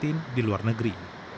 tintin di luar negeri